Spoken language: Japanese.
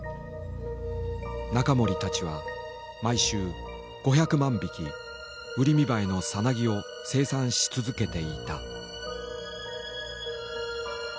仲盛たちは毎週５００万匹ウリミバエのさなぎを生産し続けていた。